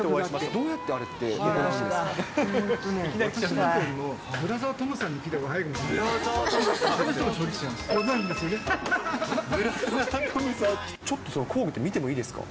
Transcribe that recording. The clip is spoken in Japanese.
どうやってあれって行うんですか？